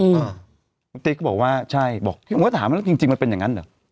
คุณติ๊กก็บอกว่าใช่บอกผมก็ถามแล้วจริงมันเป็นอย่างนั้นเหรอ